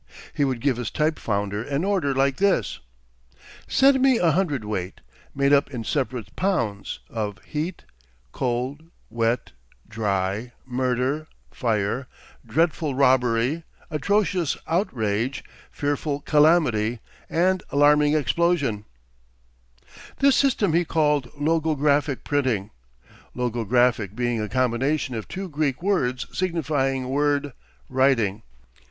He would give his type founder an order like this: Send me a hundredweight, made up in separate pounds, of heat, cold, wet, dry, murder, fire, dreadful robbery, atrocious outrage, fearful calamity, and alarming explosion. This system he called logographic printing, logographic being a combination of two Greek words signifying word writing.